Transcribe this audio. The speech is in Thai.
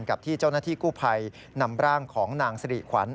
กับที่เจ้านาฏิกุภัยนำร่างของนางสริขวัญ